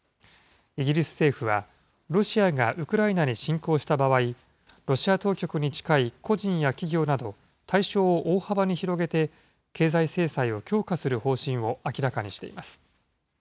イギリス政府は、ロシアがウクライナに侵攻した場合、ロシア当局に近い個人や企業など、対象を大幅に広げて、経済制裁を強化する方針を明らかにしています。